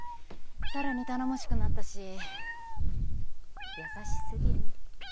更に頼もしくなったし優しすぎる。